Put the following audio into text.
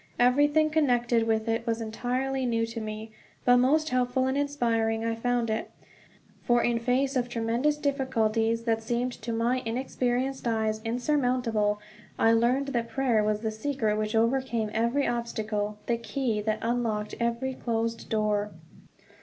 Everything connected with it was entirely new to me; but most helpful and inspiring I found it. For in face of tremendous difficulties, that seemed to my inexperienced eyes insurmountable, I learned that prayer was the secret which overcame every obstacle, the key that unlocked every closed door.